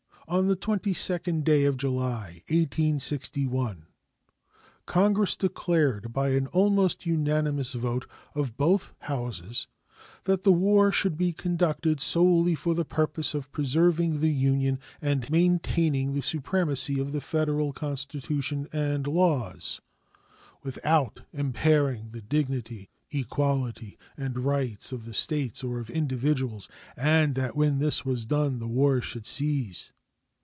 On the 22d day of July, 1861, Congress declared by an almost unanimous vote of both Houses that the war should be conducted solely for the purpose of preserving the Union and maintaining the supremacy of the Federal Constitution and laws, without impairing the dignity, equality, and rights of the States or of individuals, and that when this was done the war should cease.